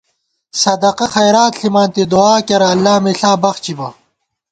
صدقہ خیرات ݪِمانتی، دُعا کېرہ اللہ مِݪا بخچِبہ